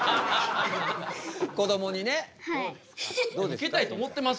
ウケたいと思ってます。